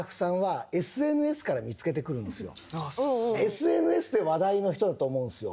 ＳＮＳで話題の人だと思うんですよ。